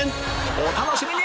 お楽しみに！